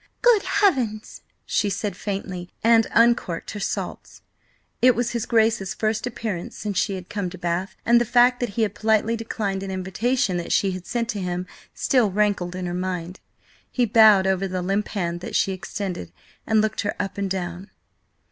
"Good heavens!" she said faintly, and uncorked her salts. It was his Grace's first appearance since she had come to Bath, and the fact that he had politely declined an invitation that she had sent to him still rankled in her mind. He bowed over the limp hand that she extended, and looked her up and down.